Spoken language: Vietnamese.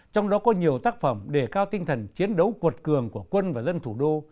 trong đó có nhiều tác phẩm đề cao tinh thần chiến đấu cuột cường của quân và dân thủ đô